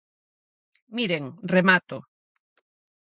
Miren, remato.